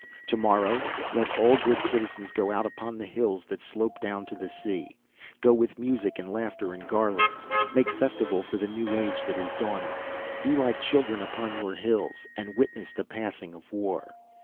"To morrow let all good citizens go out upon the hills that slope down to the sea. Go with music and laughter and garlands. Make festival for the new age that is dawning. Be like children upon your hills, and witness the passing of war.